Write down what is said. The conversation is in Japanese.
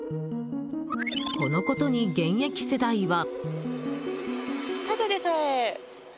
このことに現役世代は。